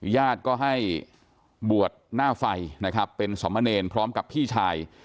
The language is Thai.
ญาติก็ให้บวชหน้าไฟนะครับเป็นสมเนรพร้อมกับพี่ชาย